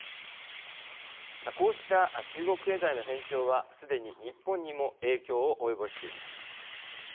こうした中国経済の変調はすでに日本にも影響を及ぼしています。